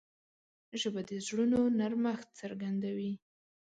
ژبه د زړونو نرمښت څرګندوي